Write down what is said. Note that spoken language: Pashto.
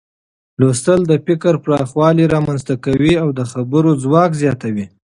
لوستل د فکر پراخوالی رامنځته کوي او د خبرو ځواک زیاتوي.